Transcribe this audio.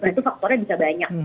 karena itu faktornya bisa banyak